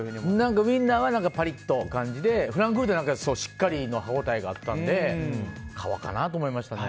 ウインナーはパリッとした感じでフランクフルトはしっかりの歯応えがあったので皮かなと思いましたね。